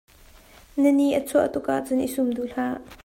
Na nih a chuah tuk ahcun i sum duh hlah.